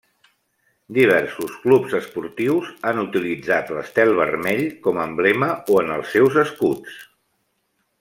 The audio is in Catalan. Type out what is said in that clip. Diversos clubs esportius han utilitzat l'estel vermell com a emblema o en els seus escuts.